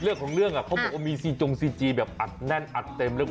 เรื่องของเรื่องอ่ะเค้าบอกว่ามีซีจงซีจีแบบเนิ่นเอาอัดเต็ม